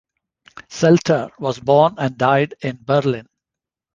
Zelter was born and died in Berlin.